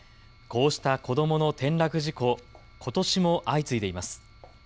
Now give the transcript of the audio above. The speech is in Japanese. こうした子どもの転落事故、ことしも相次いでいます。